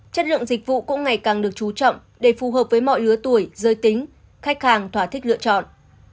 chất lượng dịch vụ cũng ngày càng được chú trọng để phù hợp với mọi lứa tuổi giới tính khách hàng thỏa thích lựa chọn